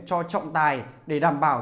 cho trọng tài để đảm bảo